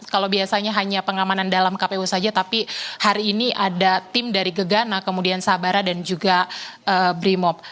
kalau biasanya hanya pengamanan dalam kpu saja tapi hari ini ada tim dari gegana kemudian sabara dan juga brimob